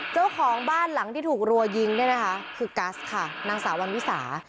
เจ้าของบ้านหลังที่ถูกรัวยิงเนี่ยนะคะคือกัสค่ะนางสาววันวิสา